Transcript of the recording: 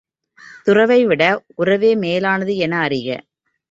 துறவைவிட உறவே மேலானது என அறிக.